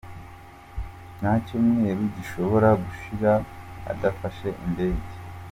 Nta cyumweru gishobora gushira adafashe indege.